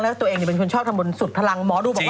แล้วตัวเองเป็นคนชอบทำบนสุดทะลัง